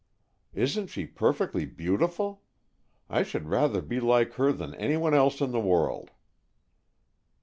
"Isn't she perfectly beautiful? I should rather be like her than anyone else in the world."